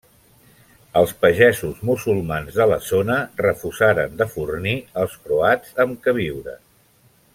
Els pagesos musulmans de la zona refusaren de fornir els croats amb queviures.